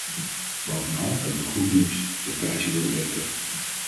Bovenal hebben we goed nieuws: de prijzen worden beter.